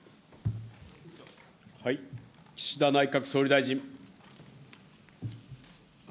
岸田内閣総理大臣。